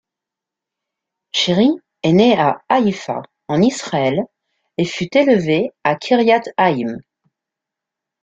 Shiri est née à Haïfa, en Israël et fut élevée à Kiryat Haïm.